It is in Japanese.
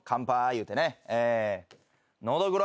言うてね。